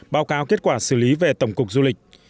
báo cáo kết quả xử lý về tổng cục du lịch